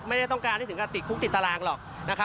ไม่ได้ต้องการให้ถึงกับติดคุกติดตารางหรอก